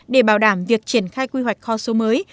để bảo đảm việc triển khai quy hoạch kho số mới